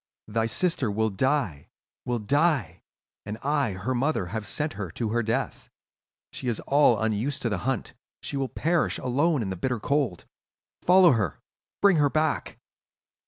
"'Thy sister will die, will die! And I, her mother, have sent her to her death. She is all unused to the hunt, she will perish alone in the bitter cold! Follow her! Bring her back!